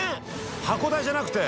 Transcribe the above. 箱代じゃなくて？